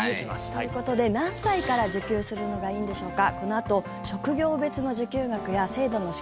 ということで何歳から受給するのがいいんでしょうか。